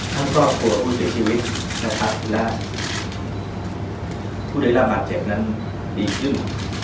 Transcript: ทั้งกับกลัวผู้เสียชีวิตกับผู้เด็กราบาดเจ็บนั้นดีขึ้น